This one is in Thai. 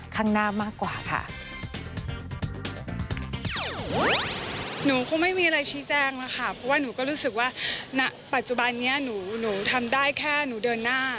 ข้างหน้ามากกว่าค่ะ